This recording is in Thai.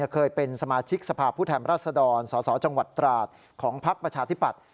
เคยเป็นสมาชิกสภาพผู้แถมรัศดรสสจตราศของภักดิ์ประชาธิบัติ